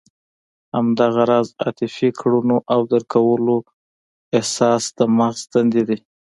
همدغه راز عاطفي کړنو او درک کولو احساس د مغز دندې دي.